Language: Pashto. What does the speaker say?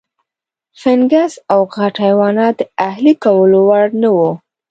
فنګس او غټ حیوانات د اهلي کولو وړ نه وو.